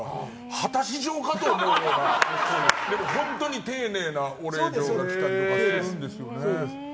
果たし状かと思いきやでも、本当に丁寧なお礼状が来たりするんですよね。